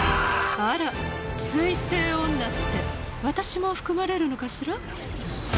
あら水星女って私も含まれるのかしら？